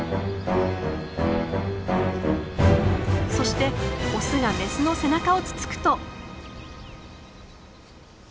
そしてオスがメスの背中をつつくと。